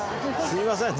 すみません